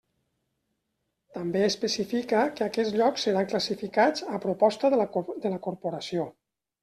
També especifica que aquests llocs seran classificats a proposta de la corporació.